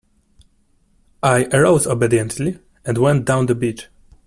I arose obediently and went down the beach.